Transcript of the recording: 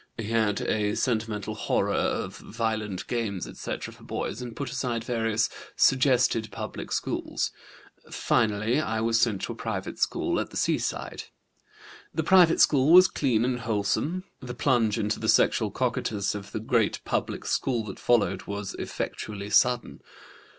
He had a sentimental horror of violent games, etc., for boys, and put aside various suggested public schools. Finally I was sent to a private school at the seaside. "The private school was clean and wholesome. The plunge into the sexual cocytus of the great public school that followed was effectually sudden.